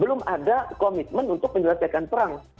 belum ada komitmen untuk menyelesaikan perang